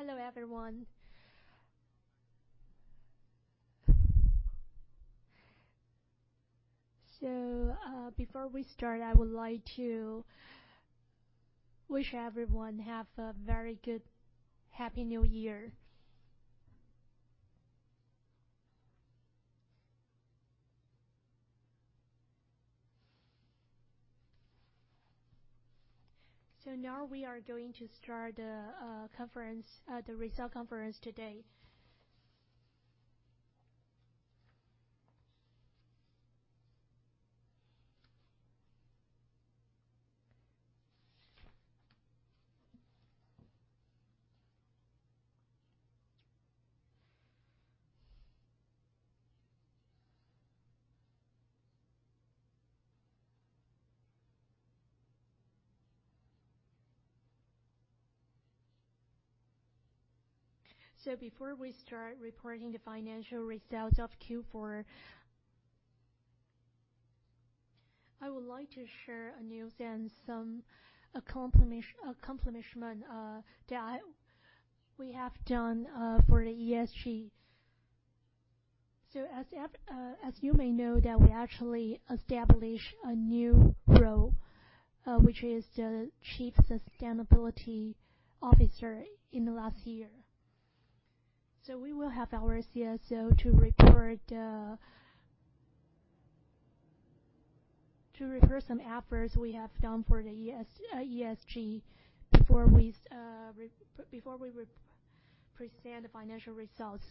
Hello, everyone. Before we start, I would like to wish everyone have a very good Happy New Year. Now we are going to start the result conference today. Before we start reporting the financial results of Q4, I would like to share news and some accomplishment that we have done for the ESG. As you may know that we actually established a new role, which is the Chief Sustainability Officer, in the last year. We will have our CSO to report some efforts we have done for the ESG before we present the financial results.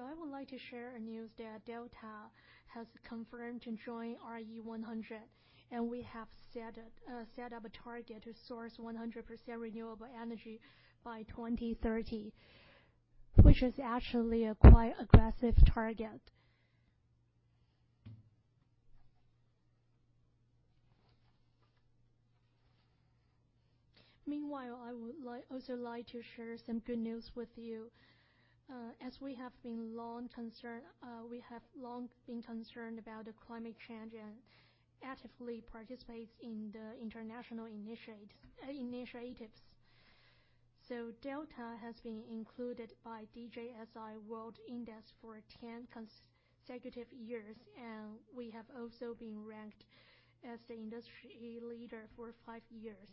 I would like to share a news that Delta has confirmed to join RE100, and we have set up a target to source 100% renewable energy by 2030, which is actually a quite aggressive target. Meanwhile, I would also like to share some good news with you. As we have long been concerned about climate change and actively participate in the international initiatives. Delta has been included by DJSI World Index for 10 consecutive years, and we have also been ranked as the industry leader for five years.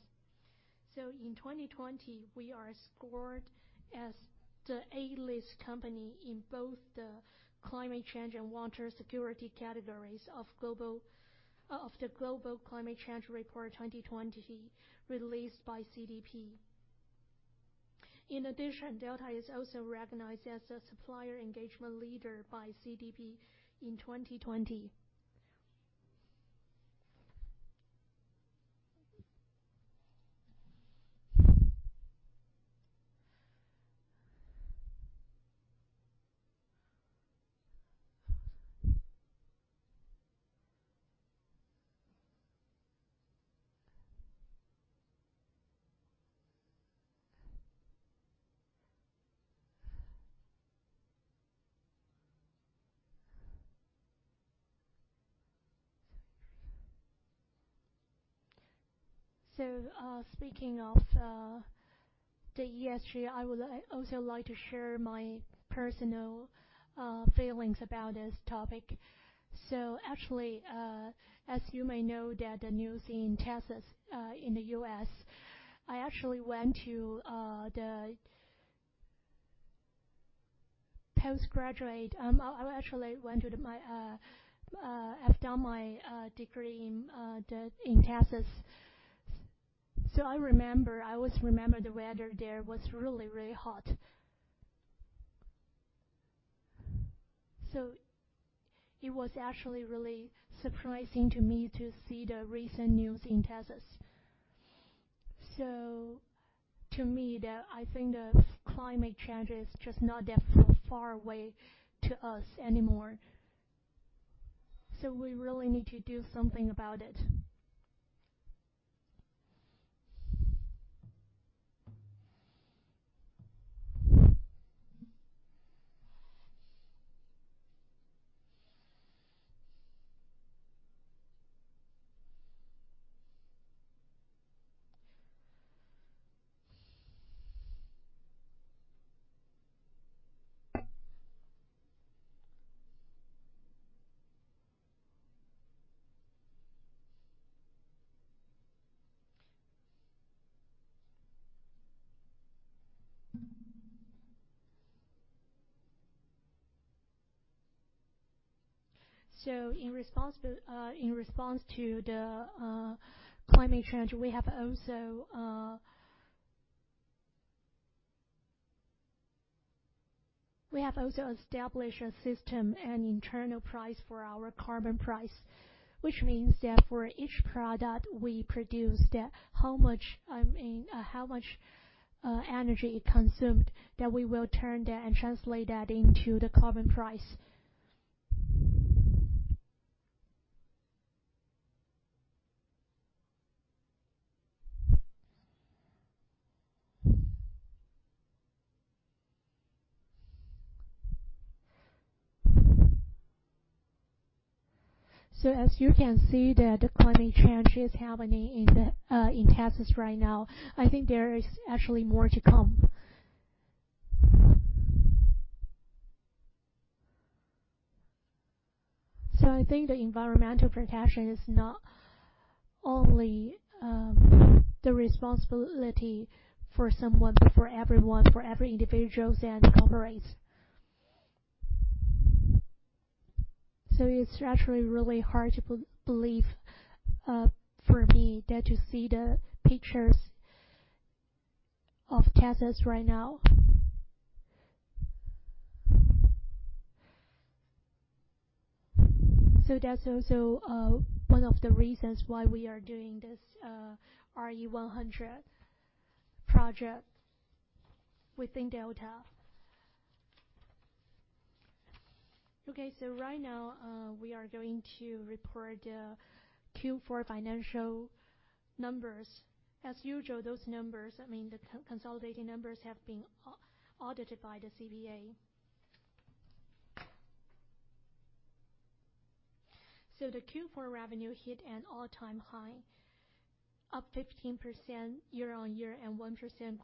In 2020, we are scored as the A-list company in both the climate change and water security categories of the Global Climate Change Report 2020 released by CDP. In addition, Delta is also recognized as a supplier engagement leader by CDP in 2020. Speaking of the ESG, I would also like to share my personal feelings about this topic. Actually, as you may know that the news in Texas, in the U.S., I actually went to post-graduate. I actually have done my degree in Texas. I always remember the weather there was really hot. It was actually really surprising to me to see the recent news in Texas. To me, I think the climate change is just not that far away to us anymore. We really need to do something about it. In response to the climate change, we have also established a system and internal price for our carbon price, which means that for each product we produce, how much energy it consumed, that we will turn that and translate that into the carbon price. As you can see, the climate change is happening in Texas right now. I think there is actually more to come. I think the environmental protection is not only the responsibility for someone, but for everyone, for every individual and corporation. It's actually really hard to believe for me to see the pictures of Texas right now. That's also one of the reasons why we are doing this RE100 project within Delta. Okay. Right now, we are going to report the Q4 financial numbers. As usual, those numbers, I mean the consolidated numbers, have been audited by the CPA. The Q4 revenue hit an all-time high, up 15% year-on-year, and 1%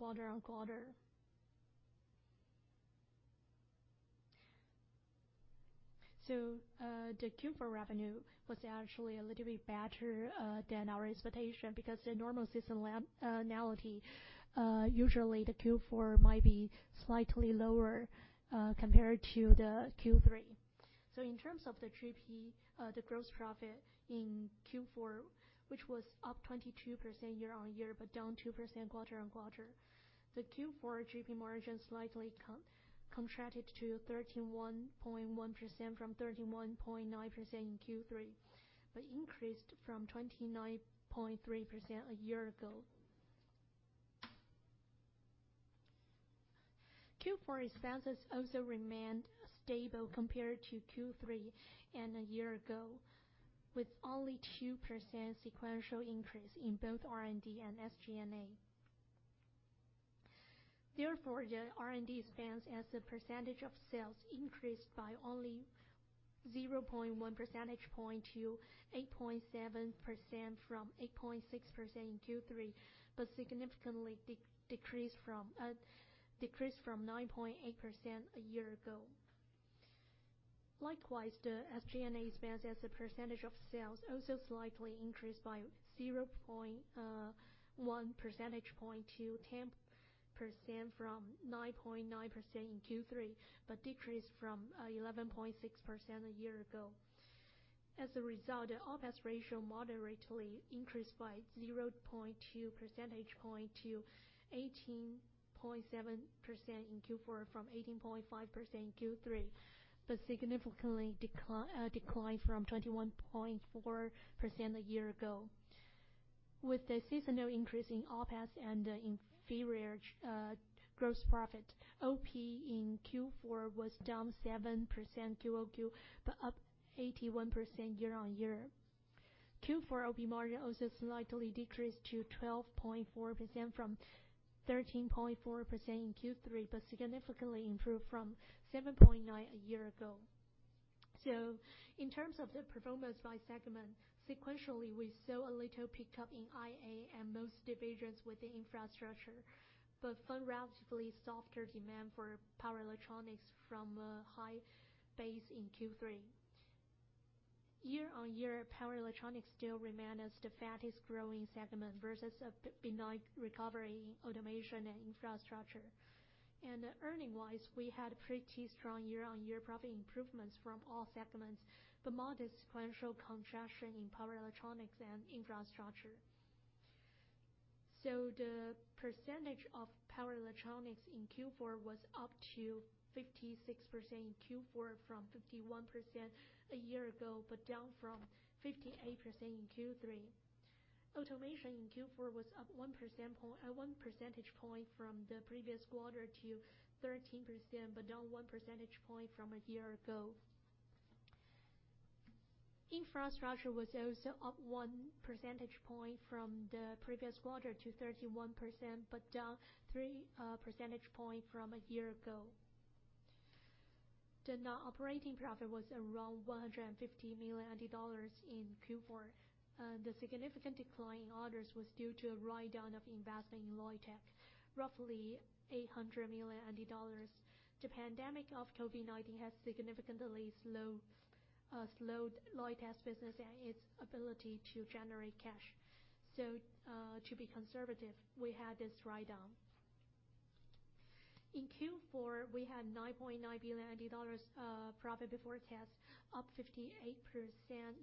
quarter-on-quarter. The Q4 revenue was actually a little bit better than our expectation because the normal seasonality, usually the Q4 might be slightly lower compared to the Q3. In terms of the GP, the gross profit in Q4, which was up 22% year-on-year, but down 2% quarter-on-quarter. The Q4 GP margin slightly contracted to 31.1% from 31.9% in Q3, but increased from 29.3% a year ago. Q4 expenses also remained stable compared to Q3 and a year ago, with only 2% sequential increase in both R&D and SGA. Therefore, the R&D expense as a percentage of sales increased by only 0.1 percentage point to 8.7% from 8.6% in Q3, but significantly decreased from 9.8% a year ago. Likewise, the SGA expense as a percentage of sales also slightly increased by 0.1 percentage point to 10% from 9.9% in Q3, but decreased from 11.6% a year ago. As a result, the OPEX ratio moderately increased by 0.2 percentage point to 18.7% in Q4 from 18.5% in Q3, but significantly declined from 21.4% a year ago. With the seasonal increase in OPEX and the inferior gross profit, OP in Q4 was down 7% QOQ, but up 81% year-on-year. Q4 OP margin also slightly decreased to 12.4% from 13.4% in Q3, but significantly improved from 7.9% a year ago. In terms of the performance by segment, sequentially, we saw a little pickup in IA and most divisions with the infrastructure, but found relatively softer demand for power electronics from a high base in Q3. Year-on-year, power electronics still remained as the fastest-growing segment versus a benign recovery in automation and infrastructure. Earning-wise, we had pretty strong year-on-year profit improvements from all segments, but modest sequential contraction in power electronics and infrastructure. The percentage of power electronics in Q4 was up to 56% in Q4 from 51% a year ago, but down from 58% in Q3. Automation in Q4 was up one percentage point from the previous quarter to 13%, but down one percentage point from a year ago. Infrastructure was also up one percentage point from the previous quarter to 31%, but down three percentage points from a year ago. The net operating profit was around NTD 150 million in Q4. The significant decline in orders was due to a write-down of investment in Loytec, roughly NTD 800 million. The pandemic of COVID-19 has significantly slowed Loytec's business and its ability to generate cash. To be conservative, we had this write-down. In Q4, we had NTD 9.9 billion profit before tax, up 58%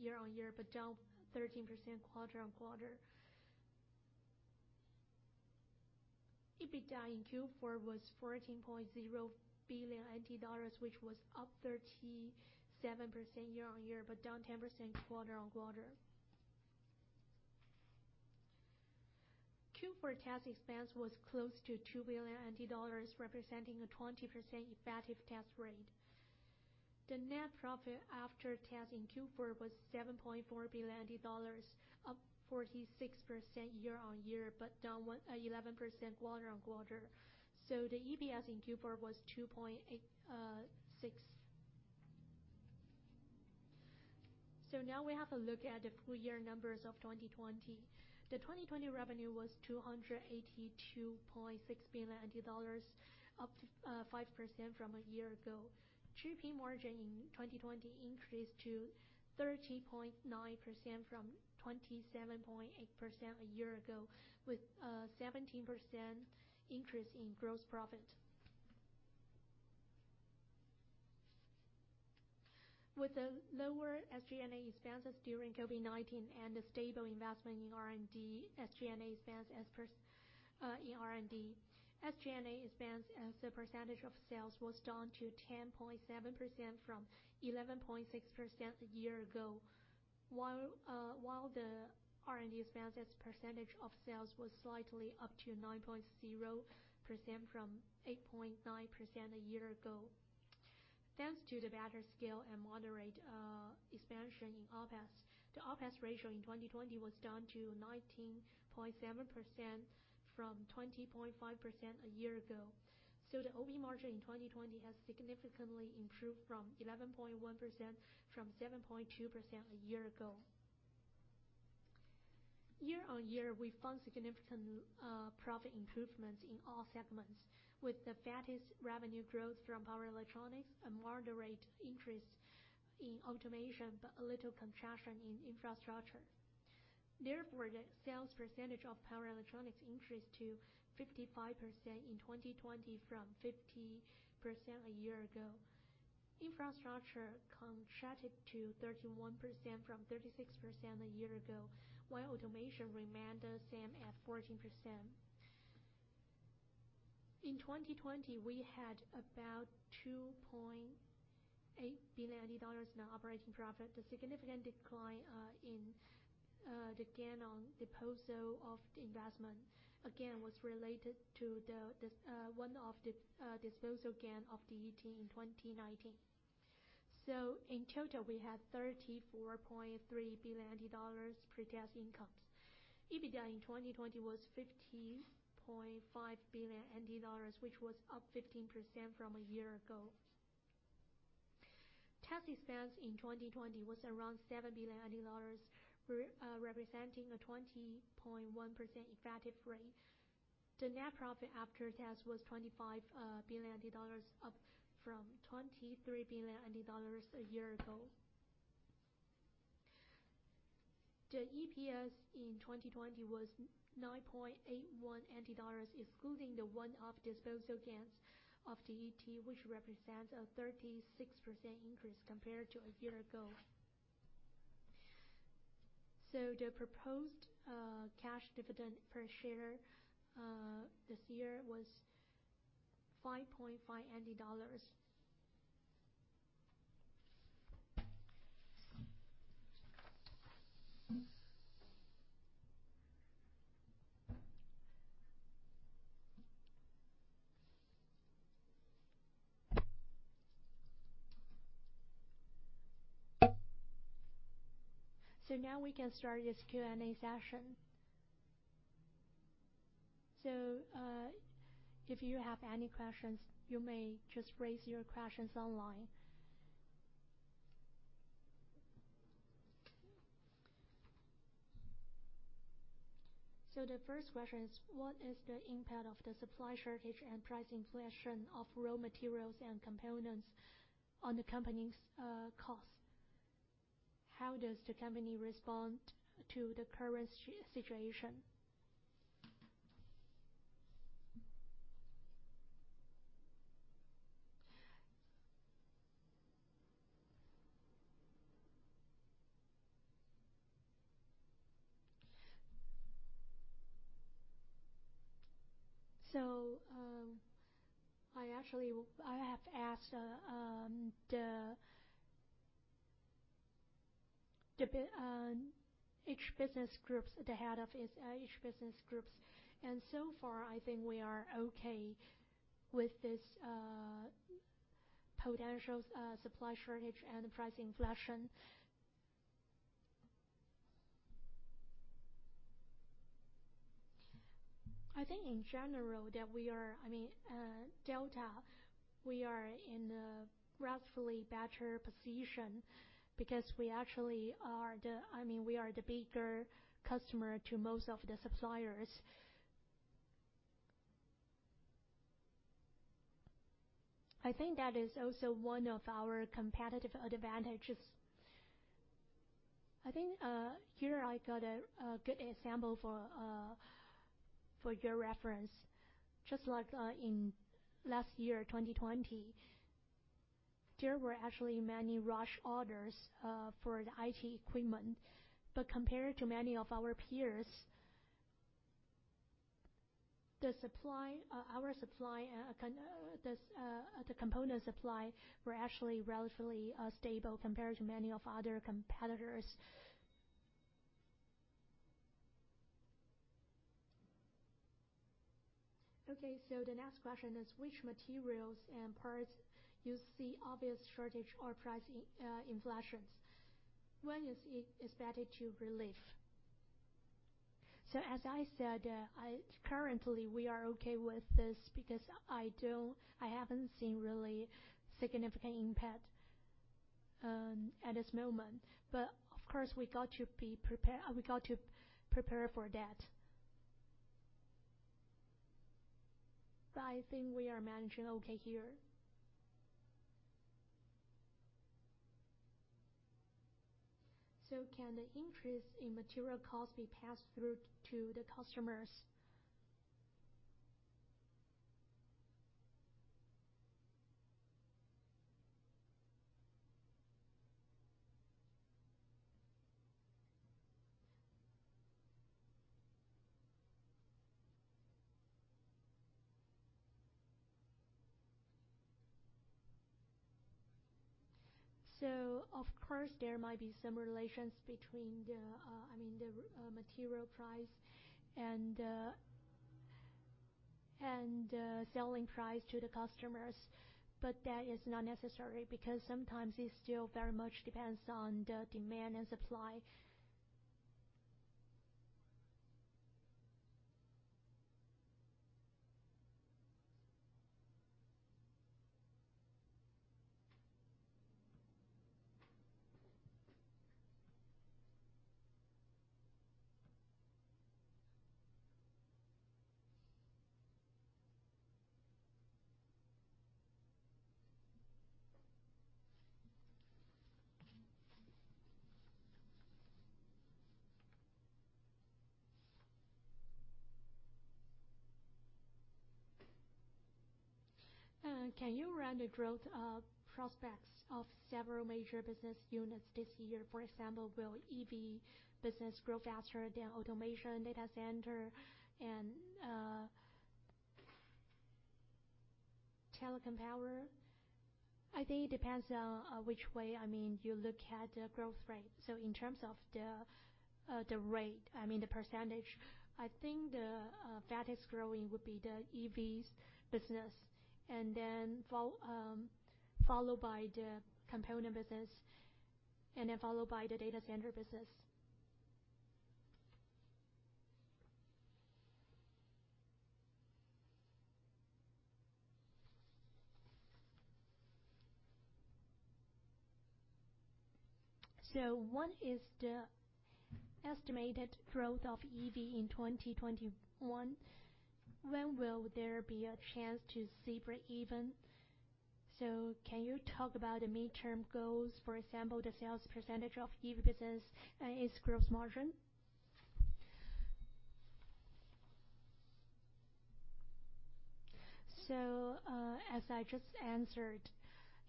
year-on-year, but down 13% quarter-on-quarter. EBITDA in Q4 was NTD 14.0 billion, which was up 37% year-on-year, but down 10% quarter-on-quarter. Q4 tax expense was close to NTD 2 billion, representing a 20% effective tax rate. The net profit after tax in Q4 was NTD 7.4 billion, up 46% year-on-year, but down 11% quarter-on-quarter. The EPS in Q4 was 2.6. Now we have a look at the full year numbers of 2020. The 2020 revenue was NTD 282.6 billion, up 5% from a year ago. GP margin in 2020 increased to 30.9% from 27.8% a year ago, with a 17% increase in gross profit. With the lower SGA expenses during COVID-19 and the stable investment in R&D, SGA expense as a percentage of sales was down to 10.7% from 11.6% a year ago. While the R&D expense as a percentage of sales was slightly up to 9.0% from 8.9% a year ago. Thanks to the better scale and moderate expansion in OPEX, the OPEX ratio in 2020 was down to 19.7% from 20.5% a year ago. The OP margin in 2020 has significantly improved from 11.1%, from 7.2% a year ago. Year-on-year, we found significant profit improvements in all segments with the fastest revenue growth from power electronics, a moderate increase in automation, but a little contraction in infrastructure. The sales percentage of power electronics increased to 55% in 2020 from 50% a year ago. Infrastructure contracted to 31% from 36% a year ago, while automation remained the same at 14%. In 2020, we had about 2.8 billion dollars in operating profit. The significant decline in the gain on disposal of the investment, again, was related to the one-off disposal gain of DET in 2019. In total, we had 34.3 billion dollars pre-tax income. EBITDA in 2020 was 15.5 billion dollars, which was up 15% from a year ago. Tax expense in 2020 was around 7 billion dollars, representing a 20.1% effective rate. The net profit after tax was 25 billion dollars, up from 23 billion dollars a year ago. The EPS in 2020 was 9.81, excluding the one-off disposal gains of the DET, which represents a 36% increase compared to a year ago. The proposed cash dividend per share this year was TWD 5.5. Now we can start this Q&A session. If you have any questions, you may just raise your questions online. The first question is, what is the impact of the supply shortage and price inflation of raw materials and components on the company's cost? How does the company respond to the current situation? I have to ask each business group, the head of each business group. So far, I think we are okay with this potential supply shortage and price inflation. I think in general that Delta, we are in a relatively better position because we are the bigger customer to most of the suppliers. I think that is also one of our competitive advantages. I think here I got a good example for your reference. Just like in last year, 2020, there were actually many rush orders for the IT equipment. Compared to many of our peers, the supply, our supply, the component supply were actually relatively stable compared to many of other competitors. Okay. The next question is which materials and parts you see obvious shortage or price inflations? When is it expected to relieve? As I said, currently, we are okay with this because I haven't seen really significant impact at this moment. Of course, we got to prepare for that. I think we are managing okay here. Can the increase in material cost be passed through to the customers? Of course, there might be some relations between the material price and the selling price to the customers. That is not necessary because sometimes it still very much depends on the demand and supply. Can you run the growth prospects of several major business units this year, for example, will EV business grow faster than automation, data center, and telecom power? I think it depends on which way you look at the growth rate. In terms of the rate, I mean, the percentage, I think the fastest-growing would be the EVs business, and then followed by the component business, and then followed by the data center business. What is the estimated growth of EV in 2021? When will there be a chance to see breakeven? Can you talk about the midterm goals, for example, the sales percentage of EV business and its gross margin? As I just answered,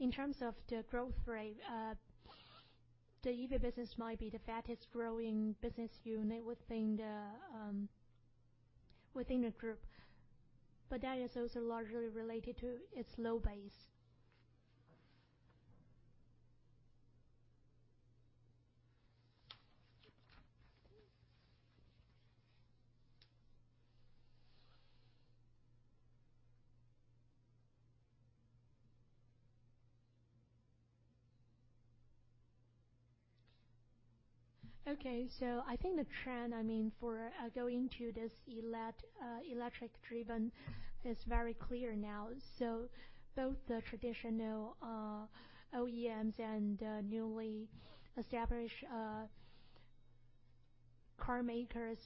in terms of the growth rate, the EV business might be the fastest-growing business unit within the group. That is also largely related to its low base. Okay. I think the trend for going to this electric-driven is very clear now. Both the traditional OEMs and newly established car makers,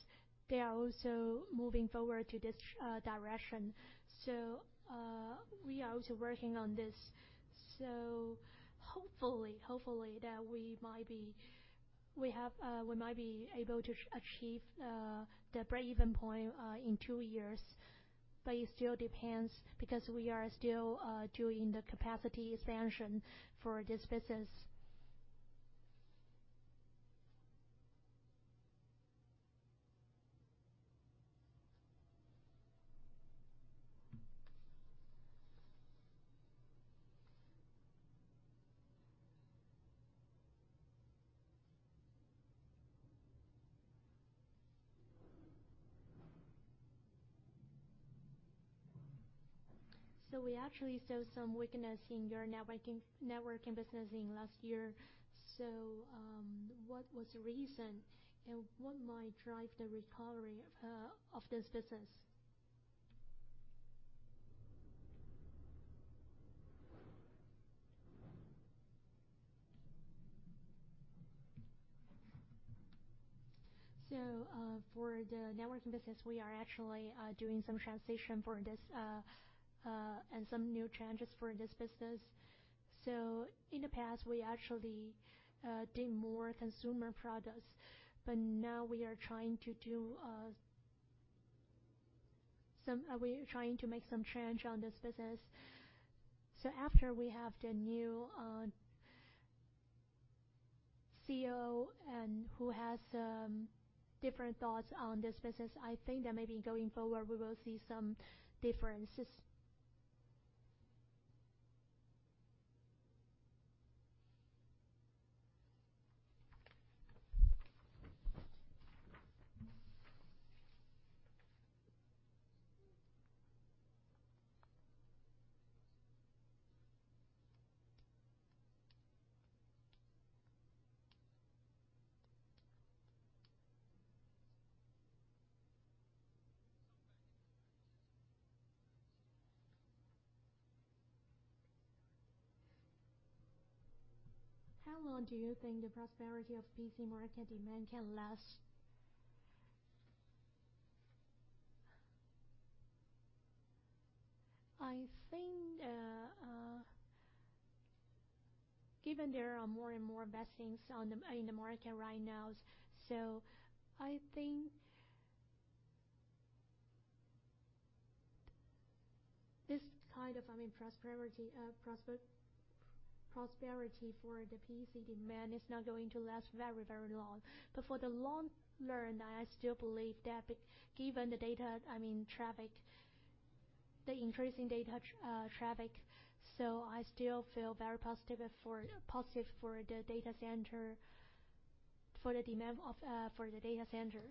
they are also moving forward to this direction. We are also working on this. Hopefully, that we might be able to achieve the breakeven point in two years. It still depends because we are still doing the capacity expansion for this business. We actually saw some weakness in your networking business in last year. What was the reason, and what might drive the recovery of this business? For the networking business, we are actually doing some transition for this and some new changes for this business. In the past, we actually did more consumer products, but now we are trying to make some change on this business. After we have the new CEO and who has different thoughts on this business. I think that maybe going forward, we will see some differences. How long do you think the prosperity of PC market demand can last? I think, given there are more and more best things in the market right now, this kind of prosperity for the PC demand is not going to last very long. For the long run, I still believe that given the increasing data traffic, I still feel very positive for the data center, for the demand for the data center.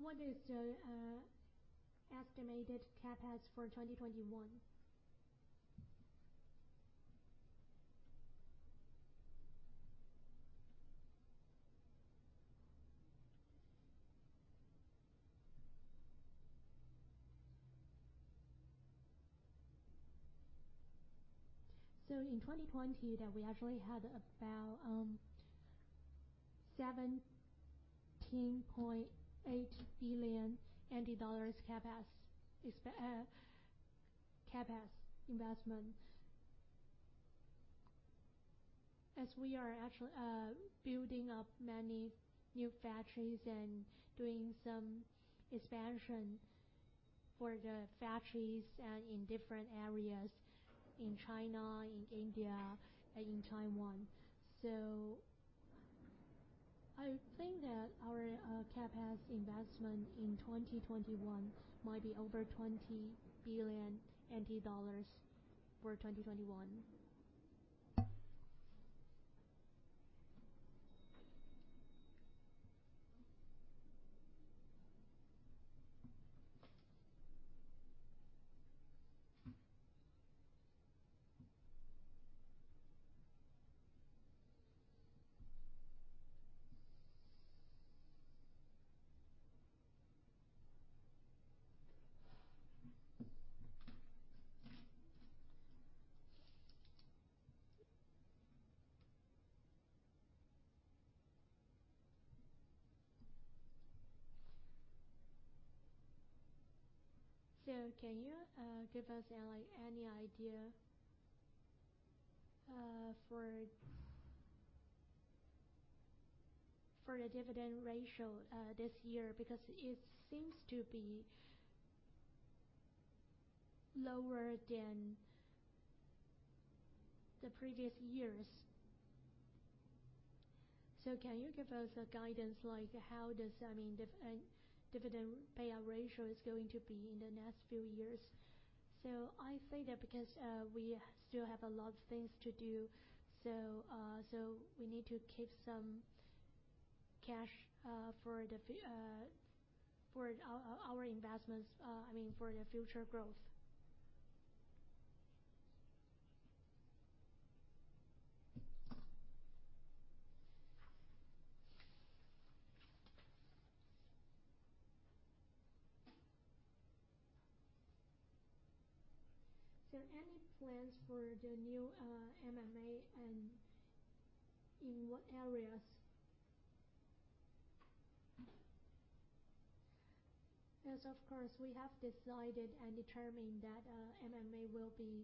What is the estimated CapEx for 2021? In 2020, we actually had about NTD 17.8 billion CapEx investment. As we are actually building up many new factories and doing some expansion for the factories and in different areas in China, in India, and in Taiwan. I think that our CapEx investment in 2021 might be over NTD 20 billion for 2021. Can you give us any idea for the dividend ratio this year? It seems to be lower than the previous years. Can you give us a guidance like how this dividend payout ratio is going to be in the next few years? I say that because we still have a lot of things to do, so we need to keep some cash for our investments, for the future growth. Any plans for the new M&A and in what areas? Yes, of course. We have decided and determined that M&A will be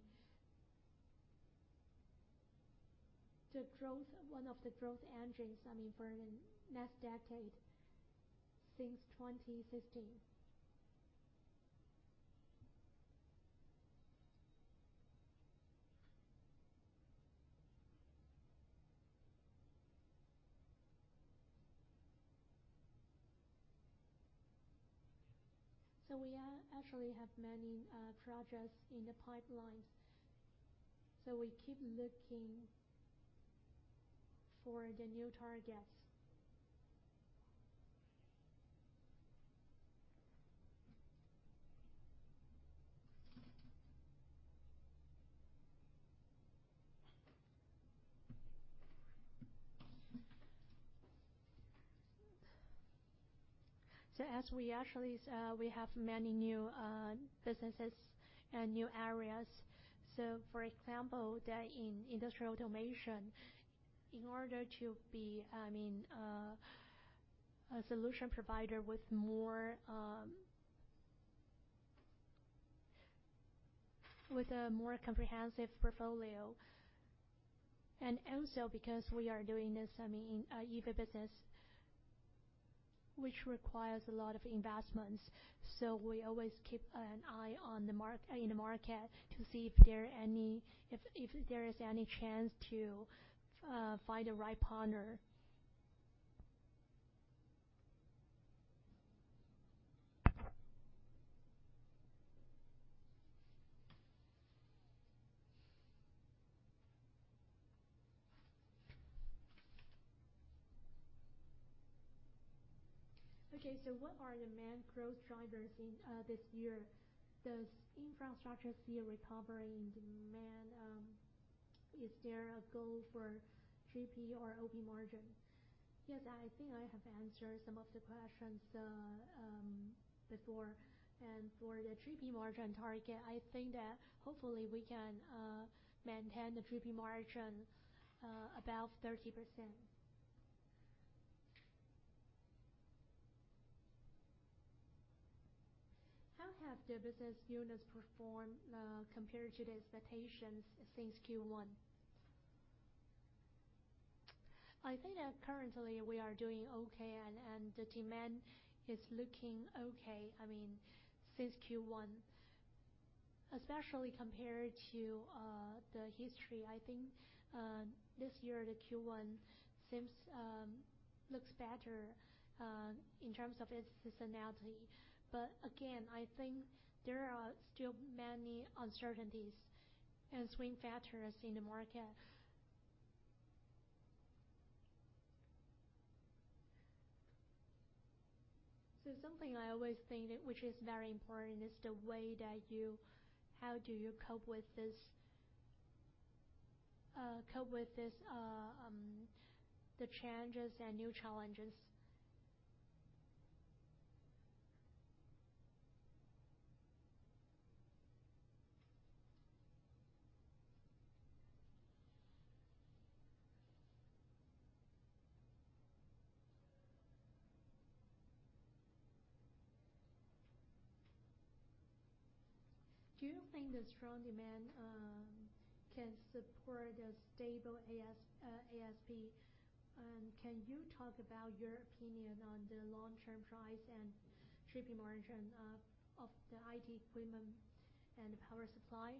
one of the growth engines for the next decade since 2016. We actually have many projects in the pipeline. We keep looking for the new targets. We have many new businesses and new areas. For example, in industrial automation, in order to be a solution provider with more With a more comprehensive portfolio, and also because we are doing this EV business, which requires a lot of investments. We always keep an eye in the market to see if there is any chance to find the right partner. Okay, what are the main growth drivers in this year? Does infrastructure see a recovery in demand? Is there a goal for GP or OP margin? Yes, I think I have answered some of the questions before. For the GP margin target, I think that hopefully, we can maintain the GP margin above 30%. How have the business units performed compared to the expectations since Q1? I think that currently we are doing okay and the demand is looking okay. Since Q1, especially compared to the history, I think this year the Q1 looks better in terms of its seasonality. Again, I think there are still many uncertainties and swing factors in the market. Something I always think which is very important is the way that you how do you cope with the challenges and new challenges. Do you think the strong demand can support a stable ASP? Can you talk about your opinion on the long-term price and shipping margin of the IT equipment and power supply?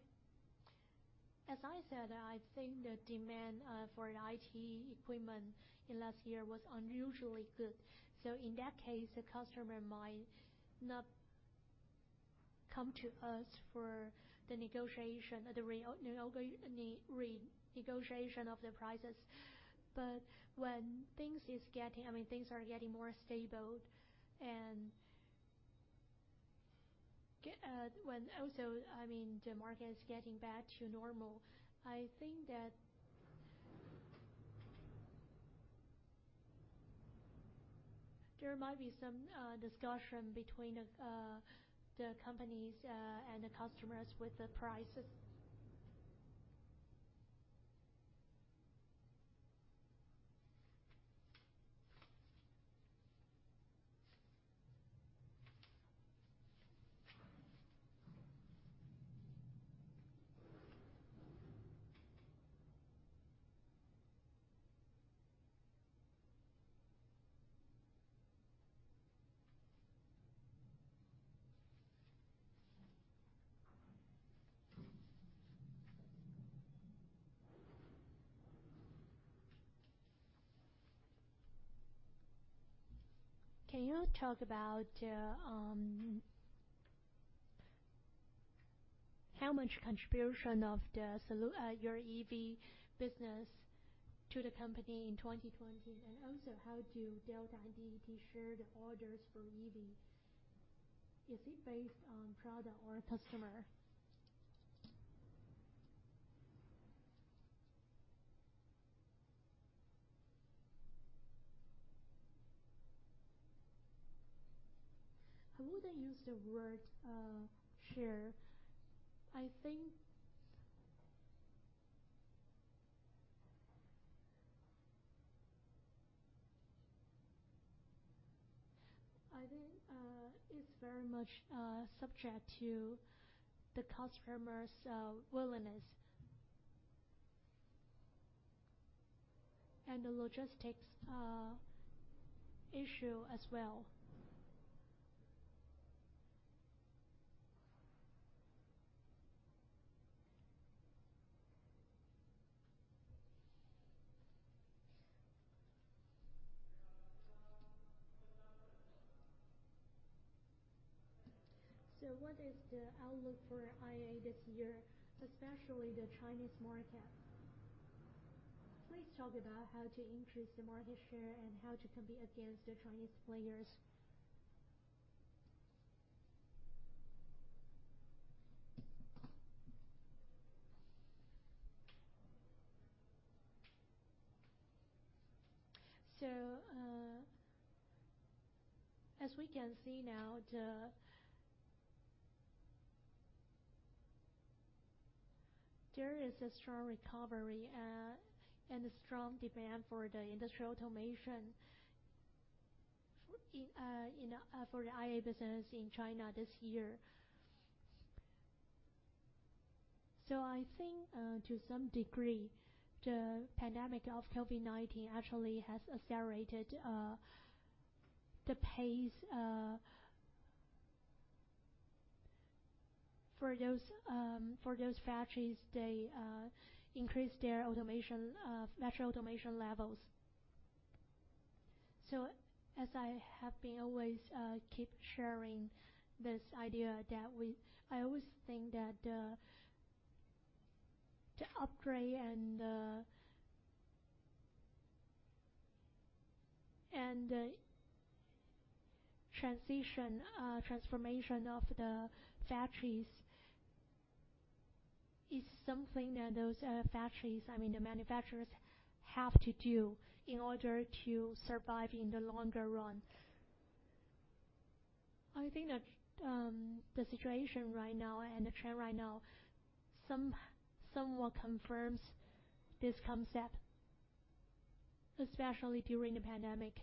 As I said, I think the demand for IT equipment in last year was unusually good. In that case, the customer might not come to us for the negotiation, the renegotiation of the prices. When things are getting more stable and when the market is getting back to normal, I think that there might be some discussion between the companies and the customers with the prices. Can you talk about how much contribution of your EV business to the company in 2020? Also how do Delta and DET share the orders for EV? Is it based on product or customer? I wouldn't use the word share. I think it's very much subject to the customer's willingness and the logistics issue as well. What is the outlook for IA this year, especially the Chinese market? Please talk about how to increase the market share and how to compete against the Chinese players. As we can see now, there is a strong recovery and a strong demand for industrial automation. For the IA business in China this year. I think to some degree, the pandemic of COVID-19 actually has accelerated the pace for those factories. They increased their factory automation levels. As I have been always keep sharing this idea that I always think that the upgrade and the transition, transformation of the factories is something that those factories, the manufacturers, have to do in order to survive in the longer run. I think that the situation right now and the trend right now somewhat confirms this concept, especially during the pandemic.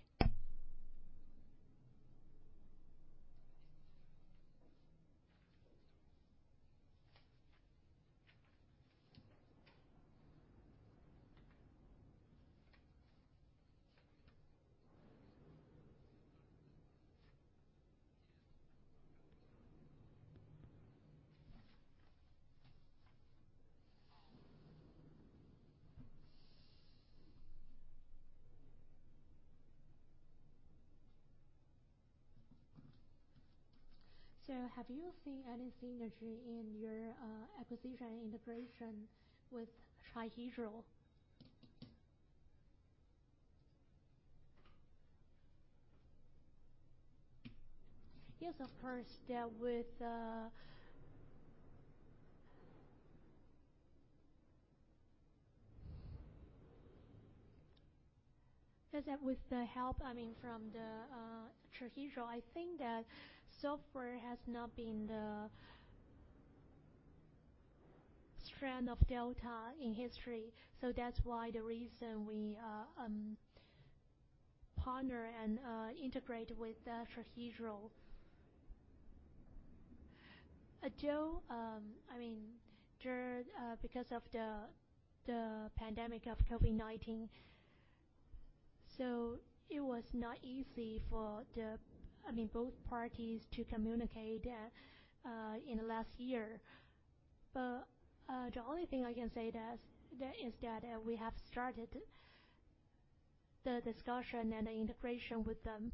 Have you seen any synergy in your acquisition and integration with Trihedral? Yes, of course, because with the help from Trihedral, I think that software has not been the strength of Delta in history. That's why the reason we partner and integrate with Trihedral. Because of the pandemic of COVID-19, it was not easy for both parties to communicate in the last year. The only thing I can say is that we have started the discussion and the integration with them.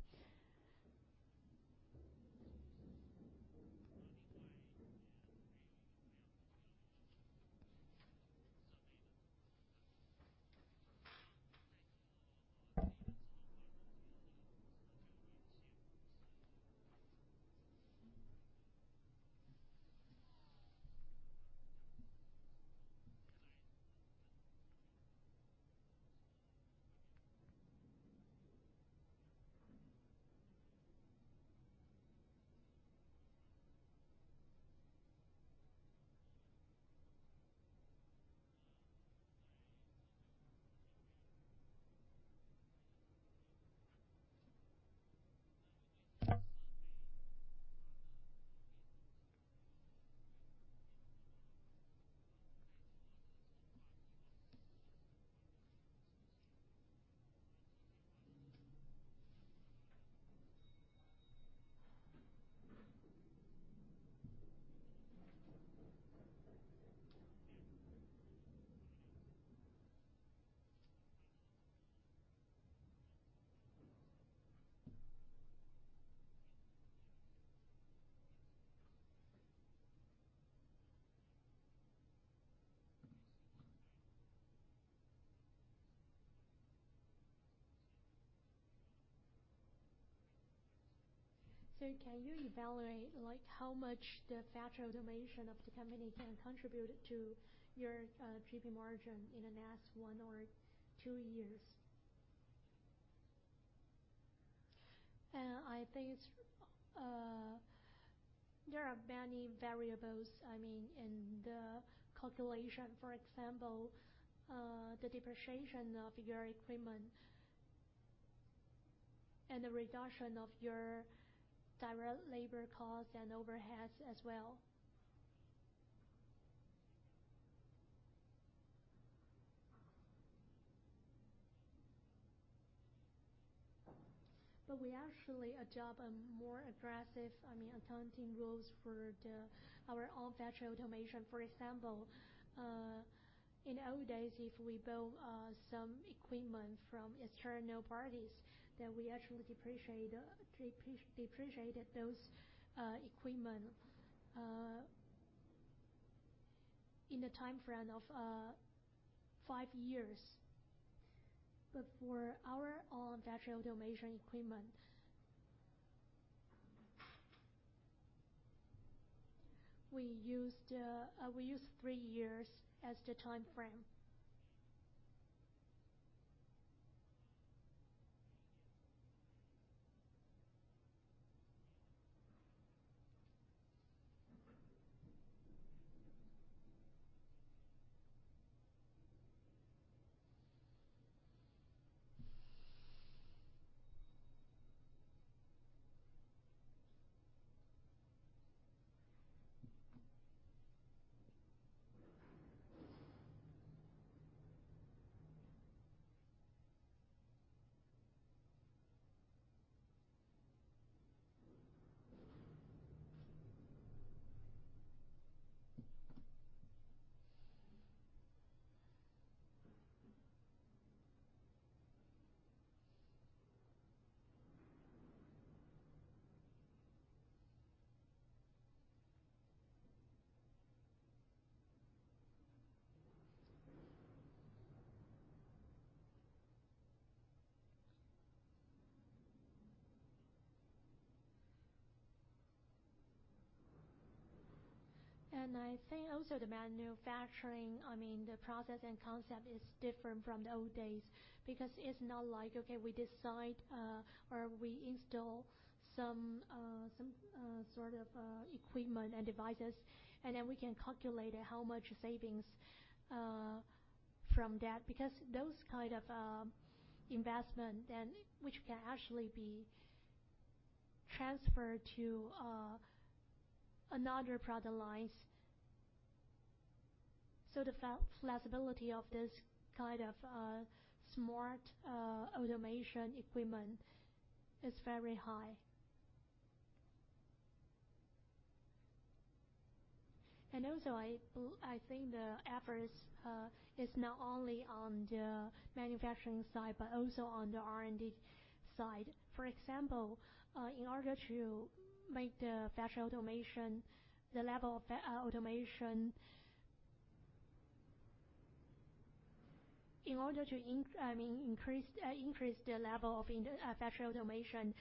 Can you evaluate how much the factory automation of the company can contribute to your GP margin in the next one or two years? I think there are many variables in the calculation. For example, the depreciation of your equipment and the reduction of your direct labor costs and overheads as well. We actually adopt more aggressive accounting rules for our own factory automation. For example, in the old days, if we build some equipment from external parties, then we actually depreciated those equipment in the timeframe of five years. For our own factory automation equipment, we use three years as the timeframe. I think also the manufacturing, the process and concept is different from the old days because it is not like, okay, we decide or we install some sort of equipment and devices, and then we can calculate how much savings from that, because those kind of investment, which can actually be transferred to another product line. The flexibility of this kind of smart automation equipment is very high. Also, I think the efforts is not only on the manufacturing side, but also on the R&D side. For example, in order to increase the level of factory automation,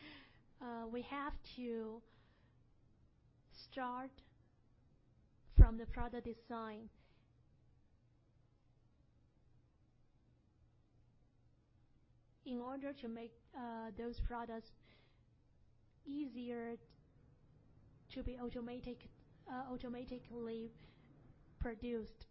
we have to start from the product design, in order to make those products easier to be automatically produced.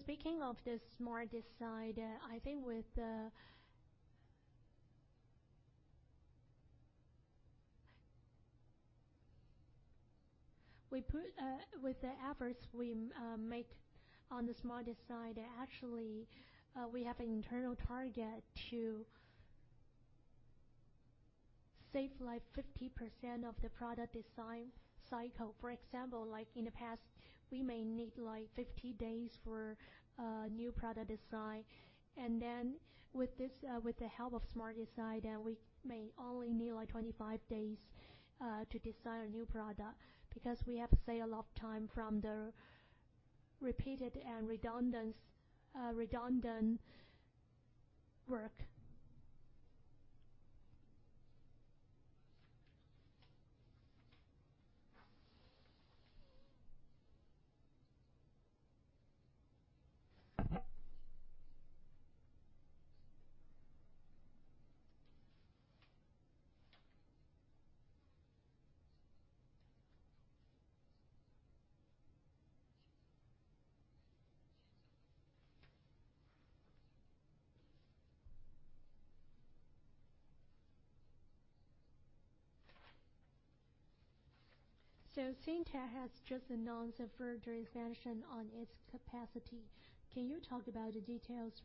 Speaking of the smart side, I think with the efforts we make on the smart side, actually, we have an internal target to save 50% of the product design cycle. For example, in the past, we may need 50 days for a new product design. Then with the help of smart side, we may only need 25 days to design a new product because we have saved a lot of time from the repeated and redundant work. Cyntec has just announced a further expansion on its capacity. Can you talk about the details?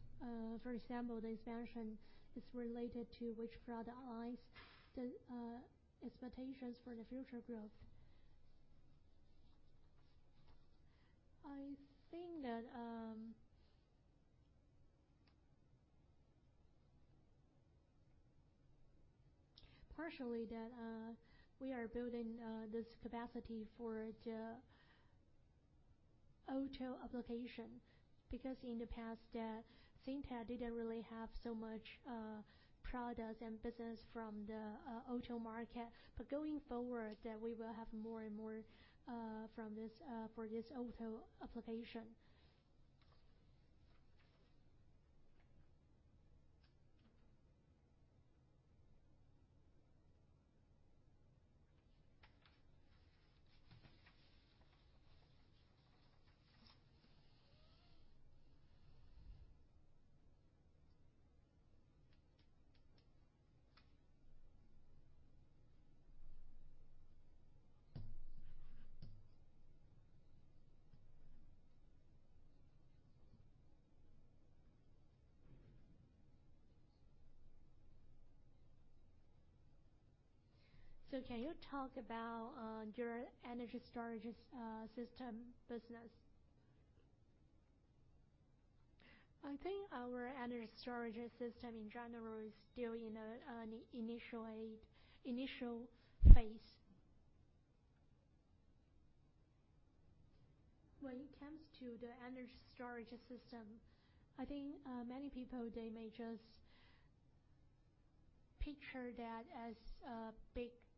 For example, the expansion is related to which product lines, the expectations for the future growth. I think that partially that we are building this capacity for the auto application, because in the past, Cyntec did not really have so much products and business from the auto market. Going forward, we will have more and more for this auto application. Can you talk about your energy storage system business? I think our energy storage system in general is still in an initial phase. When it comes to the energy storage system, I think many people, they may just picture that as a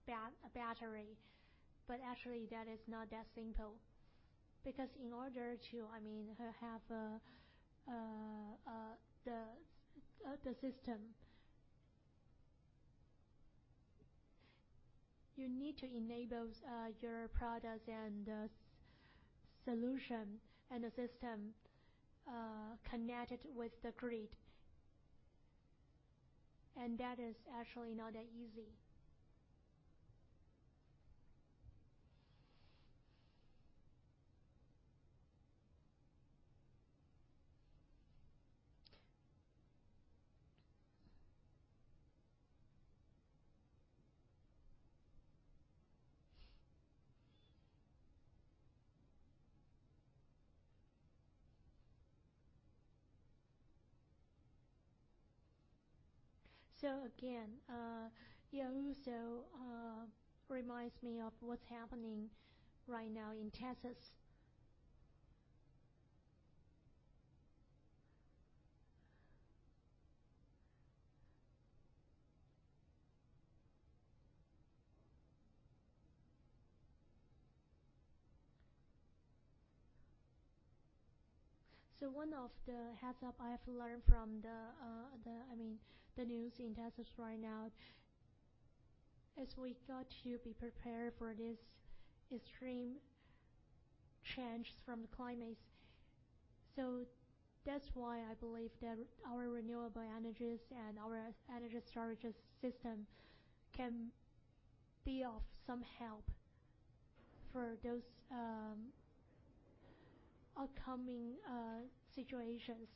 big battery, but actually that is not that simple. Because in order to have the system you need to enable your products and the solution and the system connected with the grid. That is actually not that easy. Again, it also reminds me of what is happening right now in Texas. One of the heads up I have learned from the news in Texas right now, is we got to be prepared for this extreme change from the climate. That is why I believe that our renewable energies and our energy storage system can be of some help for those upcoming situations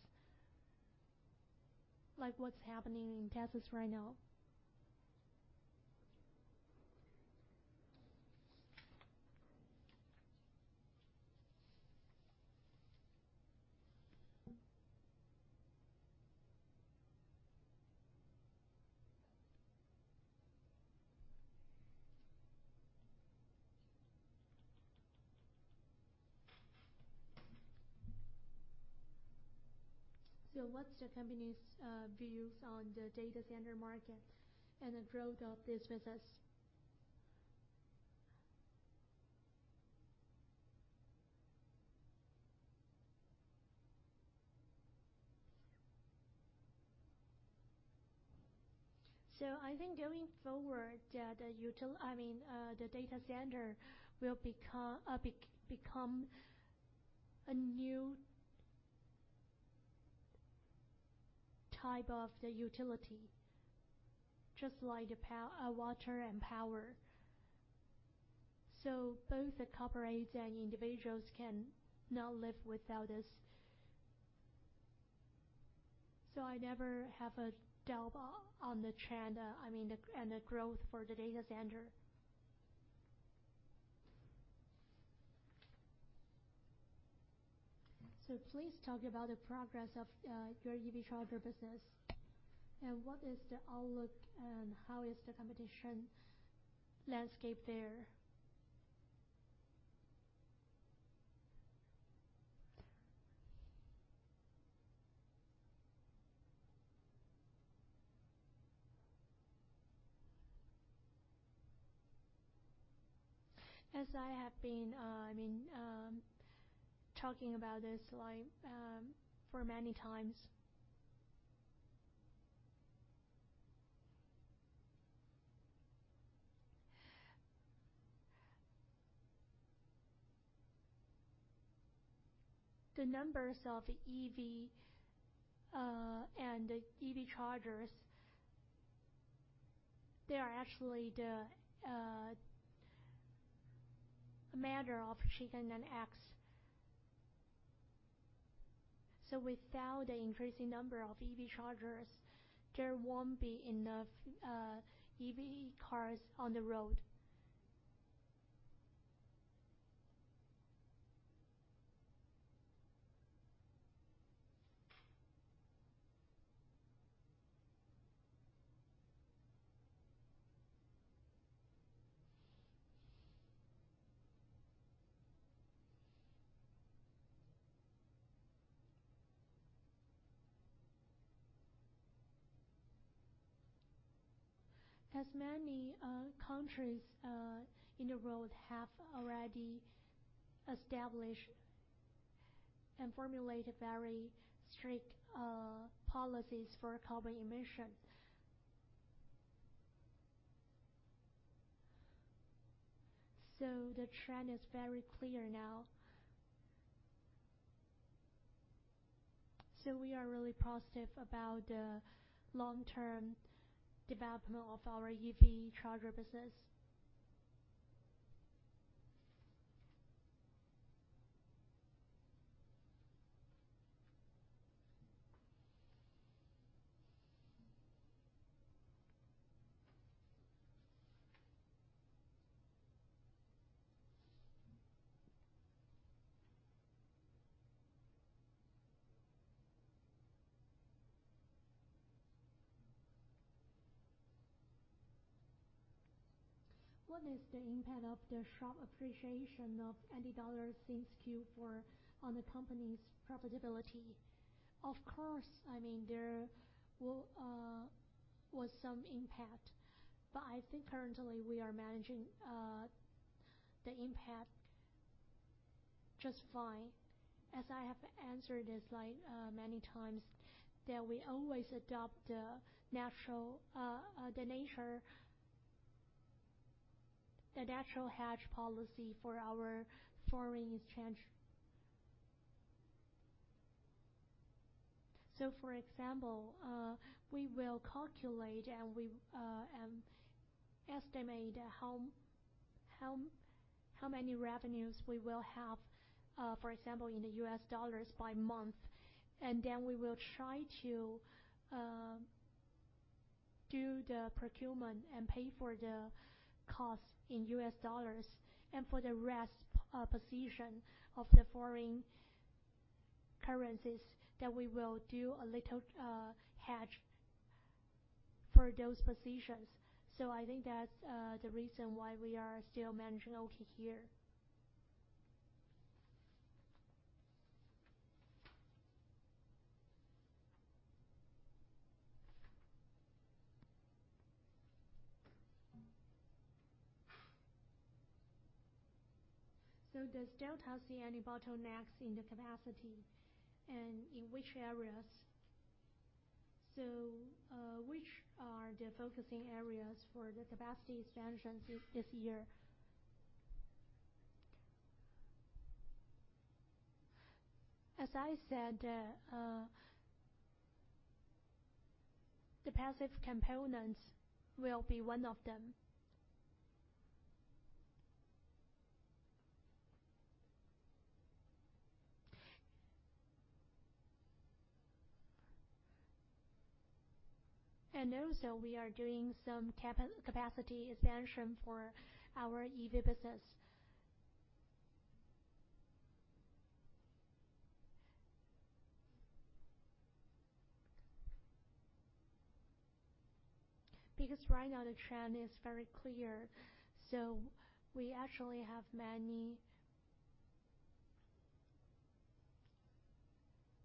like what is happening in Texas right now. What is the company's views on the data center market and the growth of this business? I think going forward, the data center will become a new type of the utility, just like water and power. Both the corporates and individuals cannot live without this. I never have a doubt on the trend and the growth for the data center. Please talk about the progress of your EV charger business. What is the outlook and how is the competition landscape there? As I have been talking about this for many times. The numbers of EV and EV chargers, they are actually the matter of chicken and eggs. Without the increasing number of EV chargers, there won't be enough EV cars on the road. As many countries in the world have already established and formulated very strict policies for carbon emission. The trend is very clear now. We are really positive about the long-term development of our EV charger business. What is the impact of the sharp appreciation of NT dollar since Q4 on the company's profitability? Of course, there was some impact, but I think currently we are managing the impact just fine. As I have answered this many times, that we always adopt the natural hedge policy for our foreign exchange. For example, we will calculate and we estimate how many revenues we will have, for example, in US dollars by month, and then we will try to do the procurement and pay for the cost in US dollars. For the rest position of the foreign currencies that we will do a little hedge for those positions. I think that's the reason why we are still managing okay here. Does Delta see any bottlenecks in the capacity and in which areas? Which are the focusing areas for the capacity expansions this year? As I said, the passive components will be one of them. Also we are doing some capacity expansion for our EV business. Because right now the trend is very clear, so we actually have many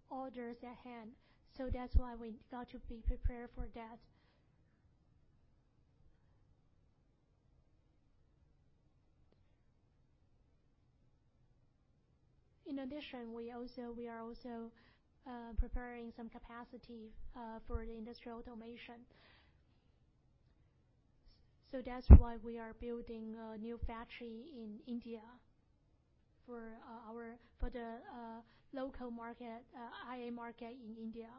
orders at hand, so that's why we got to be prepared for that. In addition, we are also preparing some capacity for the industrial automation. That's why we are building a new factory in India for the local market, IA market in India.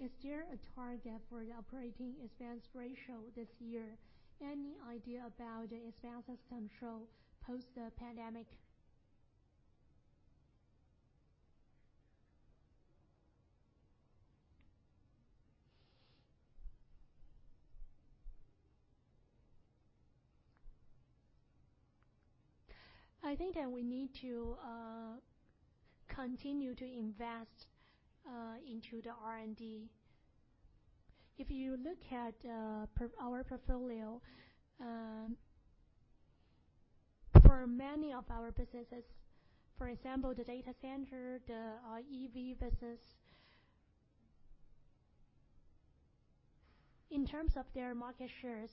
Is there a target for the operating expense ratio this year? Any idea about the expenses control post the pandemic? I think that we need to continue to invest into the R&D. If you look at our portfolio, for many of our businesses, for example, the data center, the EV business, in terms of their market shares,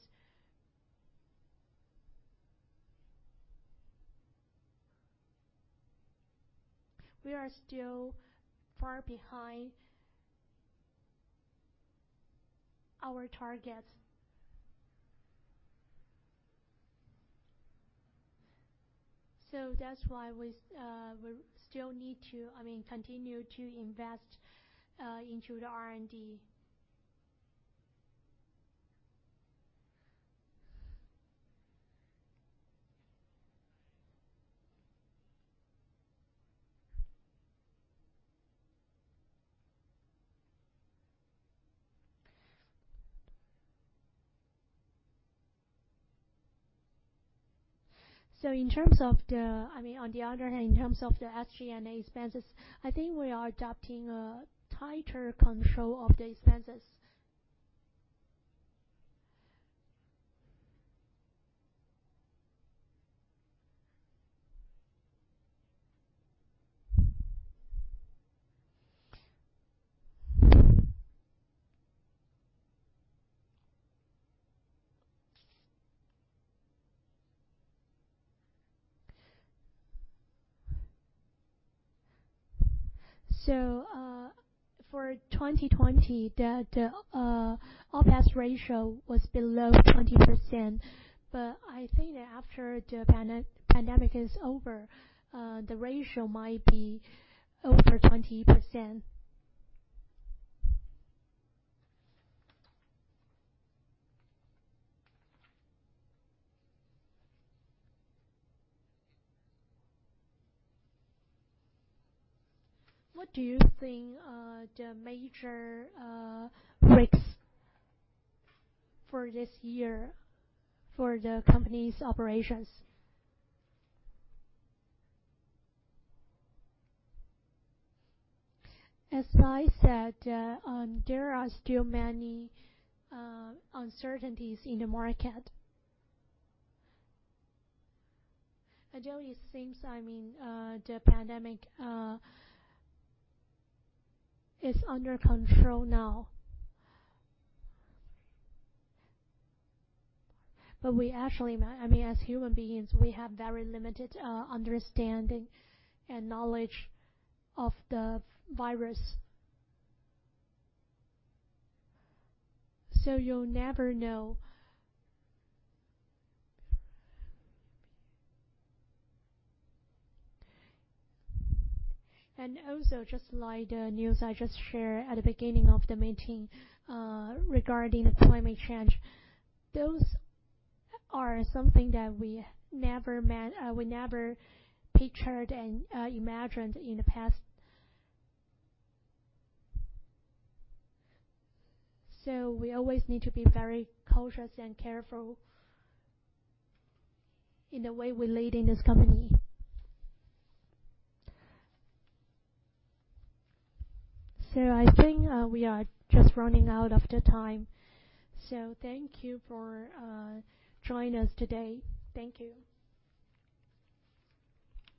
we are still far behind our targets. That's why we still need to continue to invest into the R&D. On the other hand, in terms of the SG&A expenses, I think we are adopting a tighter control of the expenses. For 2020, the OPEX ratio was below 20%, but I think that after the pandemic is over, the ratio might be over 20%. What do you think are the major risks for this year for the company's operations? As I said, there are still many uncertainties in the market. Although it seems the pandemic is under control now. We actually, as human beings, we have very limited understanding and knowledge of the virus. You never know. Also, just like the news I just shared at the beginning of the meeting regarding the climate change, those are something that we never pictured and imagined in the past. We always need to be very cautious and careful in the way we lead in this company. I think we are just running out of time. Thank you for joining us today. Thank you. Thank you.